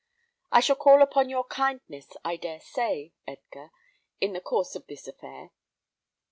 I shall call upon your kindness, I dare say, Edgar, in the course of this affair."